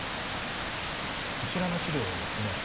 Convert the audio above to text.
こちらの資料はですね